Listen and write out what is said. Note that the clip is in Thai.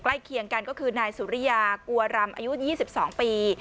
ใกล้เคียงกันก็คือนายสุริยากลัวรำอายุยี่สิบสองปี